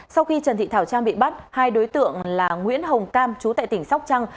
sau khi trần thị thảo trang bị bắt hai đối tượng là nguyễn hồng cam chú tại tỉnh sóc trăng